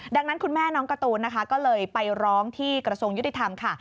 ดังนั้นคุณแม่น้องการ์ตูนนะคะก็เลยไปร้องที่กระทรวงยุติธรรมค่ะ